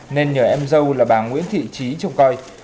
nên nhờ em dâu là bà nguyễn thị trí trông coi